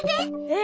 え？